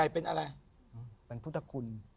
เป็นพุทธคุณ